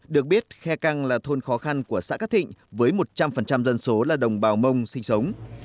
được biết khe căng là thôn khó khăn của xã cát thịnh với một trăm linh dân số là đồng bào mông sinh sống